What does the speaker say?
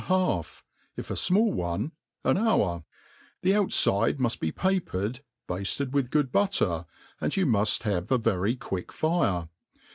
a;half ; if a fmall one, an hour. The putfide >ipuft be papered^ . bafted with good batter, and you jnii^l Ifkve a very quick fi^e.